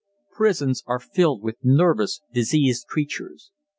Prisons are filled with nervous, diseased creatures.